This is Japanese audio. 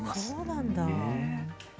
そうなんだ。